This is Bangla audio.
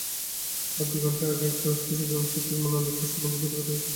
আর ঘণ্টা-দুই আগে একটা অস্পষ্ট জনশ্রুতি ছাড়া নলিনাক্ষ সম্বন্ধে যোগেন্দ্র কিছুই জানিত না।